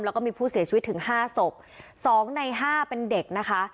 แล้วก็มีผู้เสียชีวิตถึงห้าศพสองในห้าเป็นเด็กนะคะ